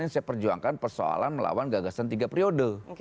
saya perjuangkan persoalan melawan gagasan tiga periode